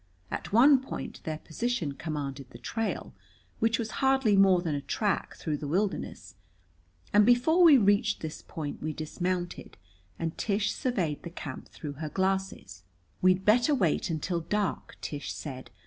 At one point their position commanded the trail, which was hardly more than a track through the wilderness, and before we reached this point we dismounted and Tish surveyed the camp through her glasses. "We'd better wait until dark," Tish said.